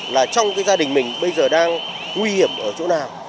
là trong gia đình mình bây giờ đang nguy hiểm ở chỗ nào